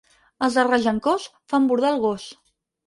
Els de Regencós fan bordar el gos.